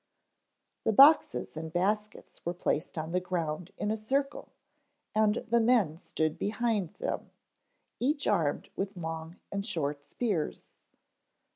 The boxes and baskets were placed on the ground in a circle and the men stood behind them, each armed with long and short spears.